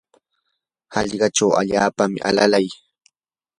hallqachaw allaapami alalay.